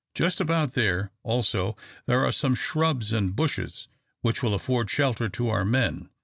Just about there, also, there are some shrubs and bushes which will afford shelter to our men.